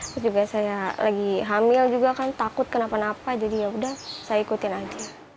terus juga saya lagi hamil juga kan takut kenapa napa jadi yaudah saya ikutin aja